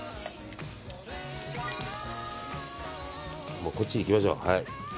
もうこっち行きましょう。